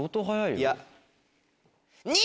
いや。